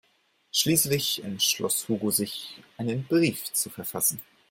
Schließlich entschloss Hugo sich, einen Brief zu verfassen.